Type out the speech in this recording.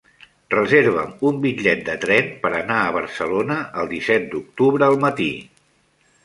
Reserva'm un bitllet de tren per anar a Barcelona el disset d'octubre al matí.